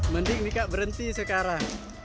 mending mika berhenti sekarang